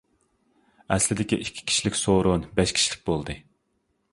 ئەسلىدىكى ئىككى كىشىلىك سورۇن بەش كىشىلىك بولدى.